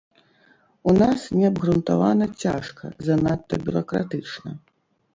У нас неабгрунтавана цяжка, занадта бюракратычна.